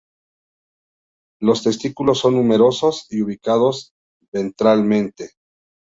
Los testículos son numerosos y ubicados ventralmente.